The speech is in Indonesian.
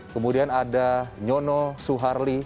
kemudian ada nyono suharno